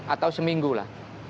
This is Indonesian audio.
atau seminggu lah